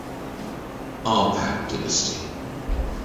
Arpad Dynasty